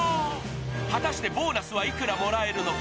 果たしてボーナスはいくらもらえるのか。